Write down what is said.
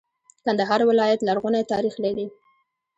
کندهار ولایت لرغونی تاریخ لري.